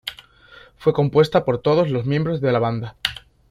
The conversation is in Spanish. Fue compuesta por todos los miembros de la banda.